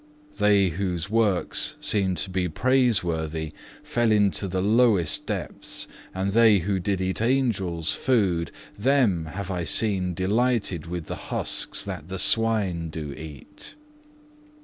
They whose works seemed to be praiseworthy, fell into the lowest depths, and they who did eat Angels' food, them have I seen delighted with the husks that the swine do eat.